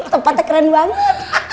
tempatnya keren banget